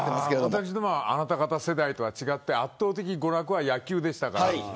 私どもはあなた方世代とは違って圧倒的に娯楽は野球でした。